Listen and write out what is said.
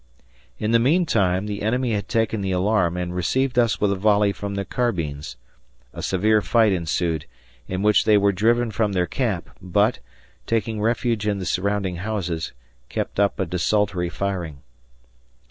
In the meantime the enemy had taken the alarm, and received us with a volley from their carbines. A severe fight ensued, in which they were driven from their camp, but, taking refuge in the surrounding houses, kept up a desultory firing.